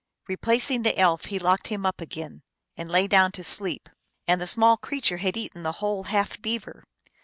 Replacing the elf, he locked him up again, and lay down to sleep. And the small creature had eaten the whole half beaver.